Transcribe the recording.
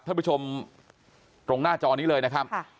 ท่านผู้ชมตรงหน้าจอนี้เลยนะครับ